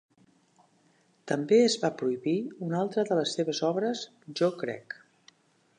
També es va prohibir una altra de les seves obres "Jo crec".